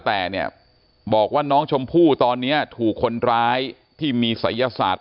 แต่เนี่ยบอกว่าน้องชมพู่ตอนนี้ถูกคนร้ายที่มีศัยศาสตร์